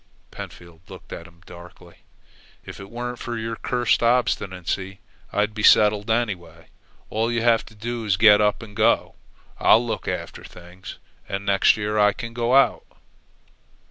Pentfield looked at him darkly. "If it weren't for your cursed obstinacy, it'd be settled anyway. All you have to do is get up and go. I'll look after things, and next year I can go out."